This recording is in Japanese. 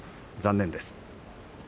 残念です。